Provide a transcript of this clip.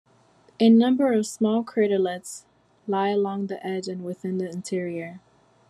A number of small craterlets lie along the edge and within the interior.